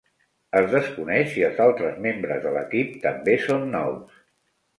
Es desconeix si els altres membres de l'equip també són nous.